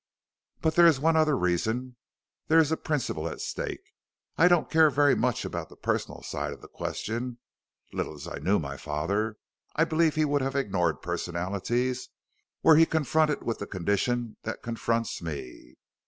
"But there is one other reason. There is a principle at stake. I don't care very much about the personal side of the question; little as I knew my father, I believe he would have ignored personalities were he confronted with the condition that confronts me.